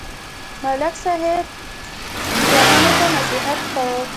ملک صاحب زامنو ته نصیحت کاوه.